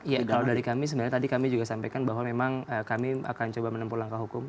ya kalau dari kami sebenarnya tadi kami juga sampaikan bahwa memang kami akan coba menempuh langkah hukum